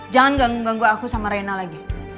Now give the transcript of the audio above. jangan ganggu ganggu aku sama reina lagi